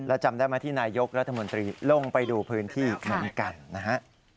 แล้วจำได้ไหมที่นายกรัฐมนตรีลงไปดูพื้นที่เหมือนกันนะฮะ